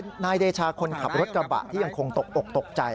นายเดชาคนขับรถกระบะที่ยังคงตกอกตกใจ